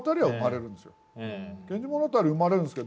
「源氏物語」は生まれるんですよ。